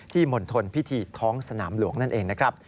มณฑลพิธีท้องสนามหลวงนั่นเองนะครับ